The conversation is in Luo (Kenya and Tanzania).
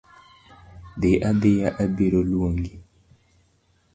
Dhi adhia abiro luongi.